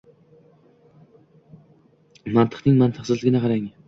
Mantiqning mantiqsizligini qarang!